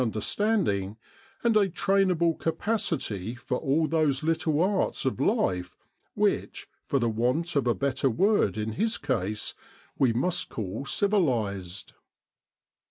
in Egypt Sr standing, and a trainable capacity for all those little arts of life which, for want of a better word in his case, we must call % civilised.